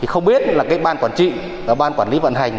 không biết là ban quản trị và ban quản lý vận hành